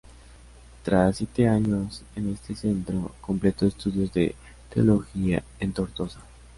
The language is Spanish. Tras siete años en este centro, completó estudios de teología en Tortosa.